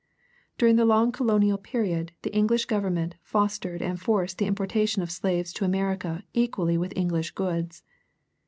During the long colonial period the English Government fostered and forced the importation of slaves to America equally with English goods.